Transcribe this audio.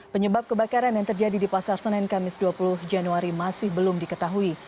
penyebab kebakaran yang terjadi di pasar senen kamis dua puluh januari masih belum diketahui